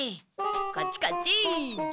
こっちこっち！